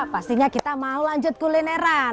pastinya kita mau lanjut kulineran